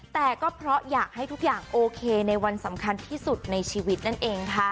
แต่ก็เพราะอยากให้ทุกอย่างโอเคในวันสำคัญที่สุดในชีวิตนั่นเองค่ะ